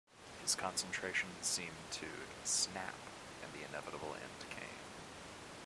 His concentration seem to snap and the inevitable end came.